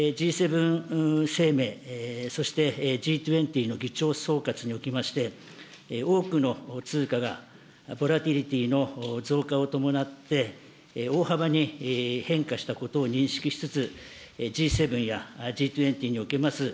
Ｇ７声明、そして、Ｇ２０の議長総括におきまして、多くの通貨がの増加を伴って、大幅に変化したことを認識しつつ、Ｇ７やＧ２０におけます